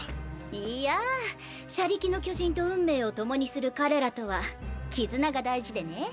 いや「車力の巨人」と運命を共にする彼らとは絆が大事でね。